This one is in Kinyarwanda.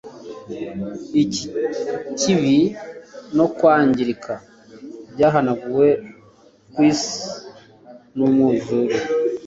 Iki kibi no kwangirika byahanaguwe ku isi numwuzure